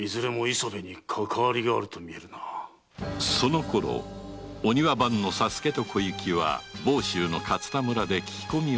そのころお庭番の佐助と小雪は房州の勝田村で聞き込みを続けていた